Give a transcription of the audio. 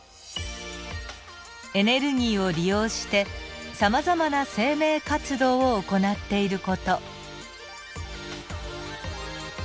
エネルギーを利用してさまざまな生命活動を行っている事。